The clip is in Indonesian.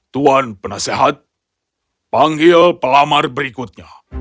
tuan penasehat panggil pelamar berikutnya